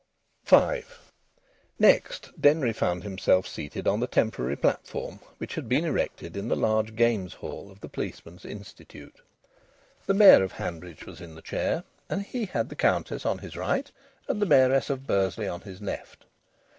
V Next, Denry found himself seated on the temporary platform which had been erected in the large games hall of the Policemen's Institute. The Mayor of Hanbridge was in the chair, and he had the Countess on his right and the Mayoress of Bursley on his left.